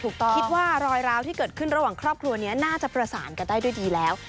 คิดว่ารอยร้าวที่เกิดขึ้นระหว่างครอบครัวนี้น่าจะประสานกันได้ด้วยดีแล้ว